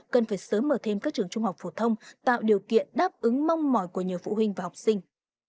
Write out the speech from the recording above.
cần phải sớm mở thêm các trường trung học phổ thông tạo điều kiện đáp ứng mong mỏi của nhiều phụ huynh và học sinh